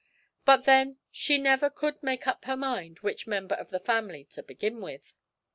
But then she never could make up her mind which member of the family to begin with.